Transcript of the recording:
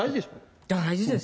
大事ですよ。